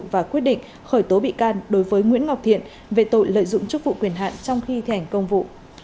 và quyết định khởi tố bị can đối với nguyễn ngọc thiện về tội lợi dụng chức vụ quyền hạn trong khi thi hành công vụ